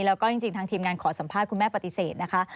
แล้วก็จริงทางทีมงานขอสัมภาษณ์คุณแม่ปฏิเสธนะคะ